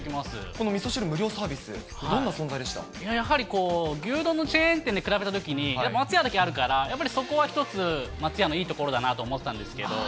このみそ汁無料サービス、やはり、牛丼のチェーン店で比べたときに、松屋だけあるから、やっぱりそこは一つ、松屋のいいところだなと思ってたんですけど。